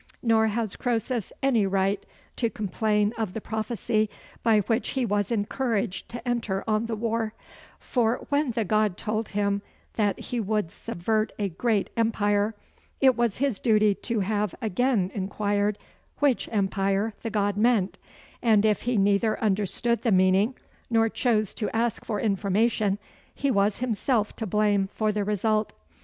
Nor has Croesus any right to complain of the prophecy by which he was encouraged to enter on the war; for when the god told him that he would subvert a great empire, it was his duty to have again inquired which empire the god meant; and if he neither understood the meaning, nor chose to ask for information, he has himself to blame for the result.